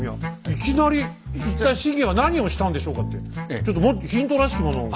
いきなり「一体信玄は何をしたんでしょうか」ってちょっとヒントらしきものを下さいよ。